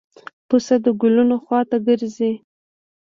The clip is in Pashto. پسه د ګلونو خوا ته ګرځي.